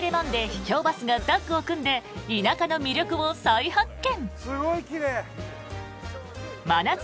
秘境バスがタッグを組んで田舎の魅力を再発見！